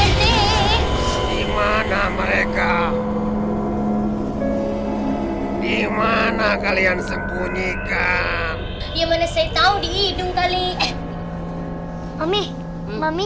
rt dimana mereka dimana kalian sembunyikan dia mana saya tahu di hidung kali mami mami